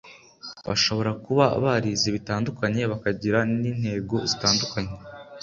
bashobora kuba barize bitandukanye bakagira n intego zitandukanye